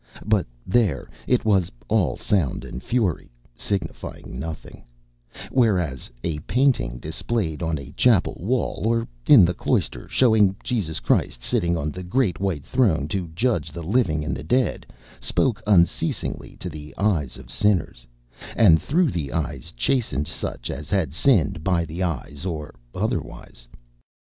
But there! it was "all sound and fury, signifying nothing," whereas a painting displayed on a Chapel wall or in the Cloister, showing Jesus Christ sitting on the Great White Throne to judge the living and the dead, spoke unceasingly to the eyes of sinners, and through the eyes chastened such as had sinned by the eyes or otherwise.